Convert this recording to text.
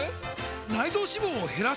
内臓脂肪を減らす！？